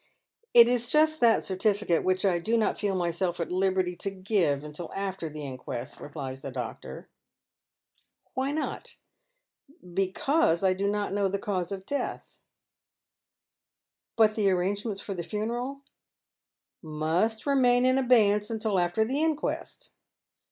" It is just that certificate which I do not feel myself at liberty to give until after the inquest," replies the doctor. "Why not?" " Because I do not know the cause of death." " But the arrangements for the funeral "" Must remain in abeyance till after the inquest."